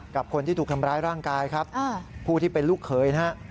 กับคนที่ถูกทำร้ายร่างกายครับผู้ที่เป็นลูกเขยนะฮะ